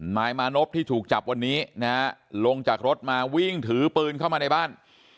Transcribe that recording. นายมานพที่ถูกจับวันนี้นะฮะลงจากรถมาวิ่งถือปืนเข้ามาในบ้าน